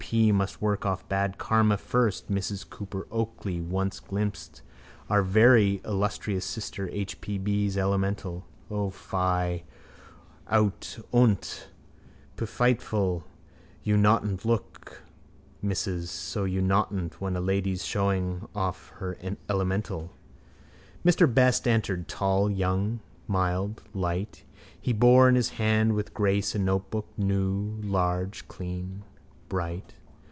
P. must work off bad karma first. Mrs Cooper Oakley once glimpsed our very illustrious sister H.P.B.'s elemental. O, fie! Out on't! Pfuiteufel! You naughtn't to look, missus, so you naughtn't when a lady's ashowing of her elemental. Mr Best entered, tall, young, mild, light. He bore in his hand with grace a notebook, new, large, clean, bright.